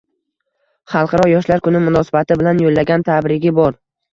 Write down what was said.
Xalqaro yoshlar kuni munosabati bilan yoʻllagan tabrigi bor.